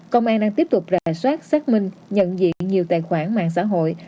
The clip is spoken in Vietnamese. công an đang tiếp tục rà soát xác minh nhận diện nhiều tài khoản mạng xã hội